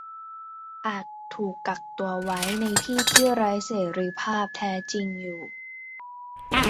อาจถูกกักตัวไว้ในที่ที่ไร้เสรีภาพแท้จริงอยู่